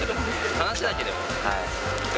話だけでも！